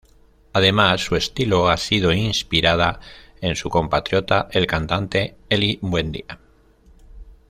Además su estilo ha sido inspirada en su compatriota, el cantante Ely Buendía.